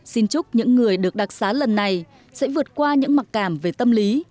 xin chúc những người được đặc xá lần này sẽ vượt qua những mặc cảm về tâm lý